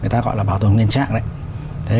người ta gọi là bảo tồn nguyên trạng đấy